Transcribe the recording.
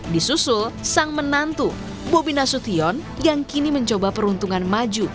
disusul sang menantu bobi nasution yang kini mencoba peruntungan maju